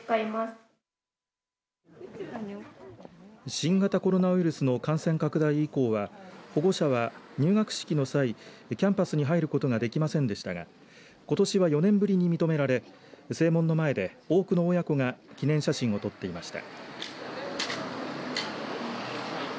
新型コロナウイルスの感染拡大以降は保護者は入学式の際キャンパスに入ることができませんでしたがことしは４年ぶりに認められ正門の前で多くの親子が記念写真を撮っていました。